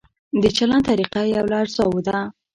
د چلند طریقه یو له اجزاوو ده.